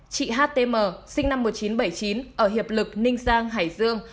chị h t m sinh năm một nghìn chín trăm bảy mươi chín ở hiệp lực ninh giang hải dương